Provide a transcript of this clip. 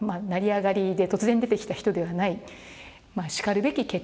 成り上がりで突然出てきた人ではないしかるべき